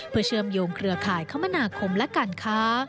เพื่อเชื่อมโยงเครือข่ายคมนาคมและการค้า